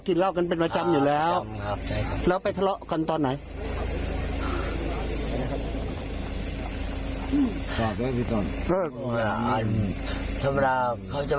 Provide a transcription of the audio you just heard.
อ๋อกินเหล้ากันเป็นประจำอยู่แล้วอ๋อประจำครับใช่ครับ